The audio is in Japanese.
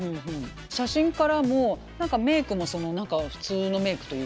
写真からも何かメークも普通のメークというかねだし